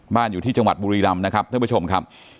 อยู่ที่จังหวัดบุรีรำนะครับท่านผู้ชมครับ